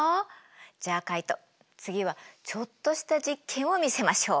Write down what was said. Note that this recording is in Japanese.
じゃあカイト次はちょっとした実験を見せましょう。